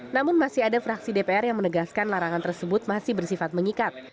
namun masih ada fraksi dpr yang menegaskan larangan tersebut masih bersifat mengikat